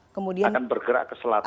akan bergerak ke selatan